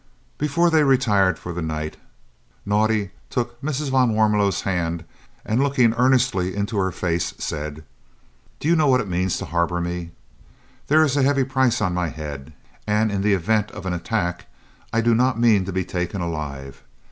Before they retired for the night Naudé took Mrs. van Warmelo's hand, and, looking earnestly into her face, said: "Do you know what it means to harbour me? There is a heavy price on my head, and in the event of an attack I do not mean to be taken alive.